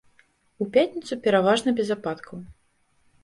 У пятніцу пераважна без ападкаў.